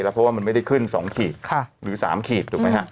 เพราะว่ามันไม่ได้ขึ้น๒ขีดหรือ๓ขีดถูกไหมฮะ